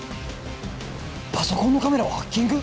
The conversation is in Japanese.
パソコンのカメラをハッキング？